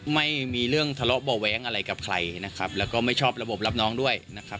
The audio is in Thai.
ไม่มีเรื่องทะเลาะเบาะแว้งอะไรกับใครนะครับแล้วก็ไม่ชอบระบบรับน้องด้วยนะครับ